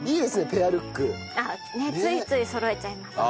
ついついそろえちゃいますね。